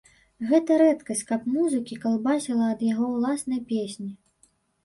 Гэта рэдкасць, каб музыкі калбасіла ад яго ўласнай песні.